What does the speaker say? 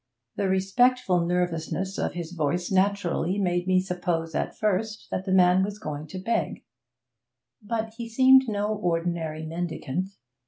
The respectful nervousness of his voice naturally made me suppose at first that the man was going to beg; but he seemed no ordinary mendicant.